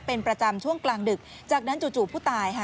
เป็นประจำช่วงกลางดึกจากนั้นจู่ผู้ตายค่ะ